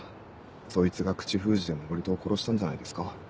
そいつが口封じで登戸を殺したんじゃないですか？